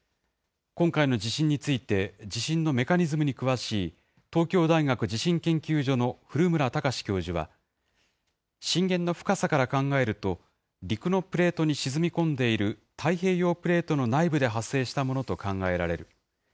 今回の地震について、地震のメカニズムに詳しい東京大学地震研究所の古村孝志教授は、震源の深さから考えると、陸のプレートに沈み込んでいる太平洋プレートの内部で発生したものと考えられる。